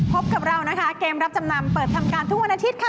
พบกับเรานะคะเกมรับจำนำเปิดทำการทุกวันอาทิตย์ค่ะ